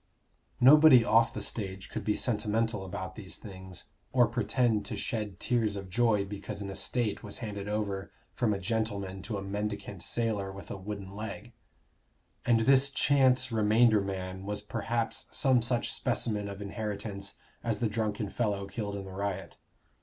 Nobody off the stage could be sentimental about these things, or pretend to shed tears of joy because an estate was handed over from a gentleman to a mendicant sailor with a wooden leg. And this chance remainder man was perhaps some such specimen of inheritance as the drunken fellow killed in the riot.